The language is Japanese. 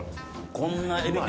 こんなエビ天